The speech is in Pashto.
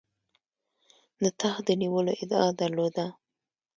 د تخت د نیولو ادعا درلوده.